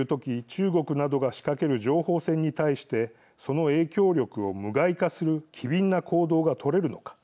中国などが仕掛ける情報戦に対してその影響力を無害化する機敏な行動が取れるのか。